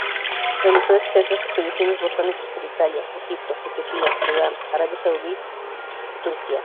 Realizó extensas expediciones botánicas por Italia, Egipto, Etiopía, Sudán, Arabia Saudi, Turquía